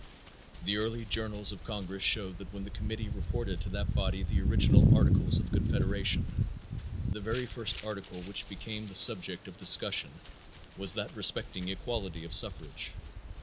The early journals of Congress show that when the committee reported to that body the original articles of confederation, the very first article which became the subject of discussion was that respecting equality of suffrage.